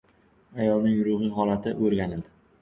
Ayolning ruhiy holati oʻrganildi